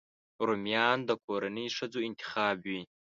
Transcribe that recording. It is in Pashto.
رومیان د کورنۍ ښځو انتخاب وي